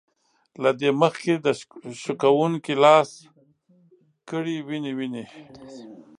له دې مخکې د شکوونکي لاس کړي وينې وينې